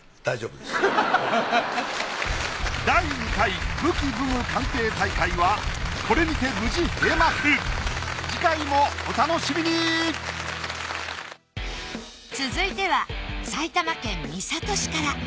第２回武器武具鑑定大会はこれにて無事閉幕続いては埼玉県三郷市から。